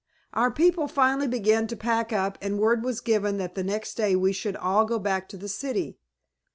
Our people finally began to pack up and word was given that the next day we should all go back to the city.